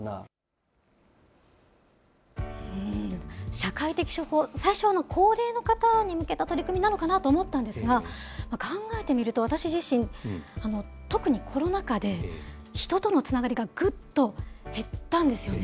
社会的処方、最初、高齢の方に向けた取り組みなのかなと思ったんですが、考えてみると、私自身、特にコロナ禍で、人とのつながりがぐっと減ったんですよね。